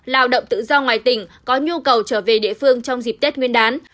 lao động tự do ngoài tỉnh có nhu cầu trở về địa phương trong dịp tết nguyên đán